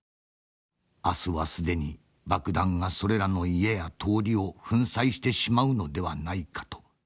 明日は既に爆弾がそれらの家や通りを粉砕してしまうのではないかと。